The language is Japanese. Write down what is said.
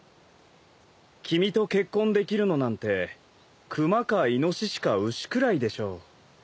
君と結婚できるのなんて熊かイノシシか牛くらいでしょう。